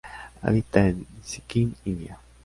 Habita en Sikkim, India.